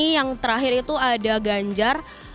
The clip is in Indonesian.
yang terakhir itu ada ganjar